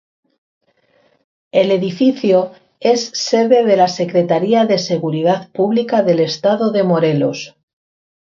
El edificio es sede de la Secretaría de Seguridad Pública del Estado de Morelos.